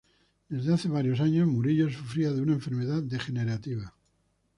Desde hacía varios años, Murillo sufría de una enfermedad degenerativa.